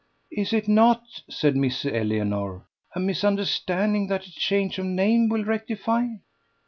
"Is it not," said Miss Eleanor, "a misunderstanding that a change of names will rectify?"